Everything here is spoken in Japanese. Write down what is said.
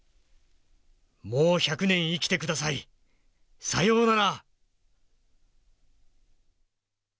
『もう１００年生きて下さい。さようなら』」。